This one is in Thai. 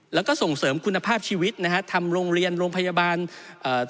แล้วก็ส่งเสริมคุณภาพชีวิตนะฮะทำโรงเรียนโรงพยาบาลเอ่อ